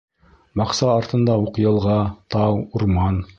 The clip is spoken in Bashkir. Баҡса артында уҡ йылға, тау, урман.